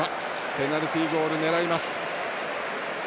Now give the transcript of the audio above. ペナルティーゴール狙います。